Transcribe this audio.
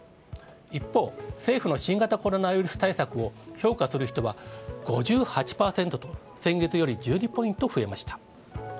一方、政府の新型コロナウイルス対策を評価する人は５８％と、先月より１２ポイント増えました。